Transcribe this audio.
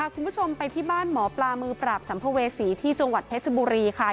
คุณผู้ชมไปที่บ้านหมอปลามือปราบสัมภเวษีที่จังหวัดเพชรบุรีค่ะ